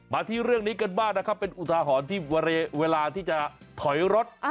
ที่เรื่องนี้กันบ้างนะครับเป็นอุทาหรณ์ที่เวลาที่จะถอยรถ